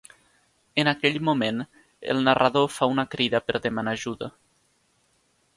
En aquell moment, el narrador fa una crida per demanar ajuda.